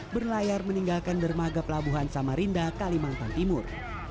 berlayar meninggalkan dermaga pelabuhan samarinda kalimantan timur